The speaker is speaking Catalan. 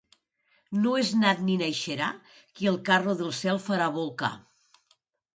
No és nat ni naixerà qui el Carro del cel farà bolcar.